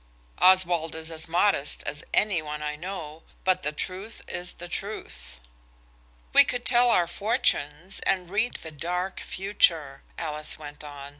Oswald is as modest as any one I know, but the truth is the truth. "We could tell our fortunes, and read the dark future," Alice went on.